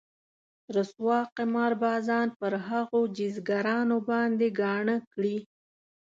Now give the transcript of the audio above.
رسوا قمار بازان پر هغو جيزګرانو باندې ګاڼه کړي.